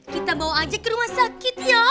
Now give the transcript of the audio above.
kita bawa aja ke rumah sakit ya